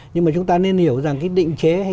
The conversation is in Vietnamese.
nhưng mà chúng ta nên hiểu rằng cái định chế hay